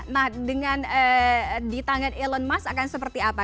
nah dengan di tangan elon musk akan seperti apa